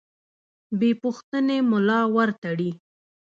بې پوښتنې ملا ورتړي.